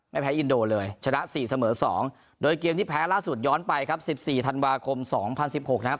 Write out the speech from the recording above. แพ้อินโดเลยชนะ๔เสมอ๒โดยเกมที่แพ้ล่าสุดย้อนไปครับ๑๔ธันวาคม๒๐๑๖นะครับ